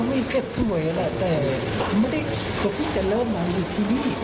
มีคนว่ามันอยู่ที่นี่